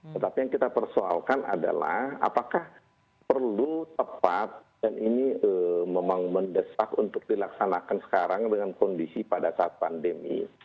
tetapi yang kita persoalkan adalah apakah perlu tepat dan ini memang mendesak untuk dilaksanakan sekarang dengan kondisi pada saat pandemi